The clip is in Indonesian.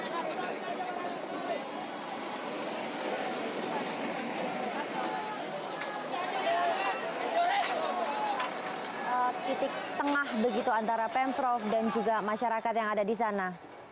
titik tengah begitu antara pemprov dan juga masyarakat yang ada di sana